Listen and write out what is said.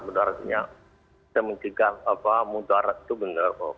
mudaratnya saya menjaga mudarat itu benar